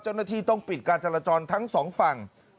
เจ้าหน้าที่ต้องปิดการจราจรทั้งสองฝั่ง